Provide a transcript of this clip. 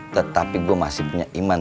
tetapi gue masih punya iman